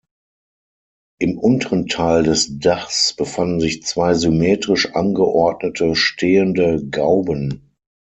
Im unteren Teil des Dachs befanden sich zwei symmetrisch angeordnete stehende Gauben.